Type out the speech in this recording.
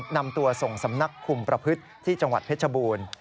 นำตัวส่งสำนักคุมประพฤติที่จังหวัดเพชรบูรณ์